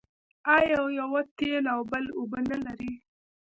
آیا یوه تېل او بل اوبه نلري؟